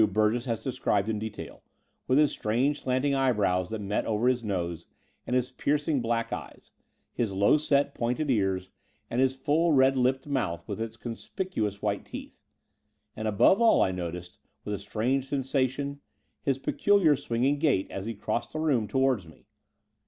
Burgess has described in detail, with his strange slanting eyebrows that met over his nose, and his piercing black eyes, his low set pointed ears, and his full red lipped mouth with its conspicuous white teeth ; and above all, I noticed, with a strange sensation, his peculiar swinging gait as he crossed the room towards me.